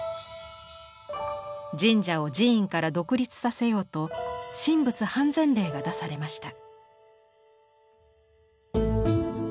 神社を寺院から独立させようと「神仏判然令」が出されました。